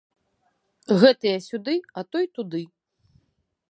Гэтыя сюды, а той туды.